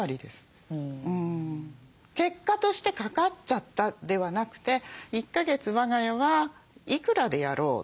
結果としてかかっちゃったではなくて１か月我が家はいくらでやろう。